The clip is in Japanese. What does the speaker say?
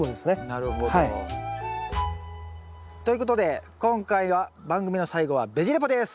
なるほど。ということで今回は番組の最後はベジ・レポです。